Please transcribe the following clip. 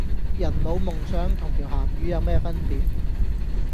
人冇夢想同條咸魚有咩分別?